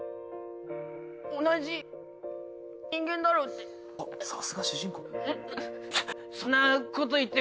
同じ人間だろって。